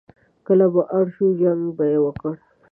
کله به اړ شو، جنګ به یې وکړ.